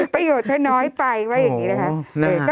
ประโยชน์ถ้าน้อยไปว่าอย่างนี้นะคะ